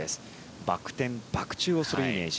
バク転バク宙をするイメージ。